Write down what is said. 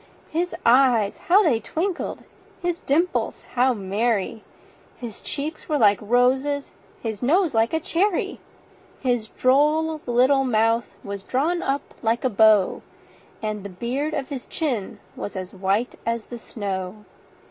His eyes how they twinkled! his dimples how merry! His cheeks were like roses, his nose like a cherry; His droll little mouth was drawn up like a bow, And the beard on his chin was as white as the snow.